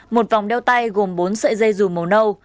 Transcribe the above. một vòng đeo tay gồm bốn sợi dây dùm màu nâu